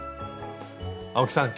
青木さん